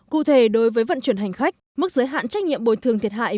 cụ thể đối với vận chuyển hành khách mức giới hạn trách nhiệm bồi thường thiệt hại